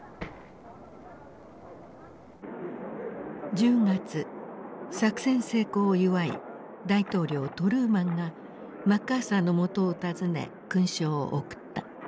１０月作戦成功を祝い大統領トルーマンがマッカーサーのもとを訪ね勲章を贈った。